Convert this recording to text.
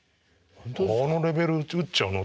「このレベル打っちゃうの？」